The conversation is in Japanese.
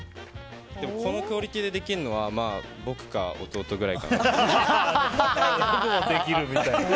でもこのクオリティーでできるのは僕か弟ぐらいかなと。